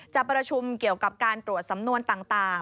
จะประชุมเกี่ยวกับการตรวจสำนวนต่าง